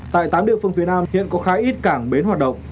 tại tám địa phương phía nam hiện có khá ít cảng bến hoạt động